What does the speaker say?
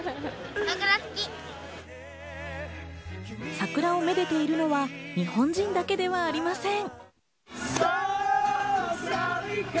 桜をめでているのは日本人だけではありません。